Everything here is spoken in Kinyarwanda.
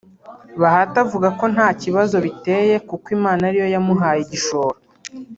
Bahati avuga ko nta kibazo biteye kuko Imana ariyo yamuhaye igishoro